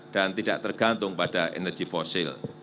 dan tidak tergantung pada energi fosil